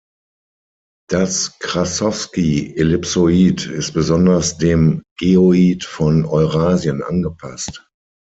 Das Krassowski-Ellipsoid ist besonders dem Geoid von Eurasien angepasst.